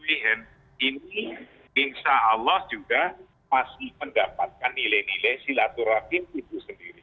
ini insya allah juga masih mendapatkan nilai nilai silaturahim itu sendiri